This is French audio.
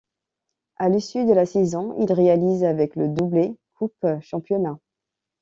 À l'issue de la saison il réalise avec le doublé Coupe-Championnat.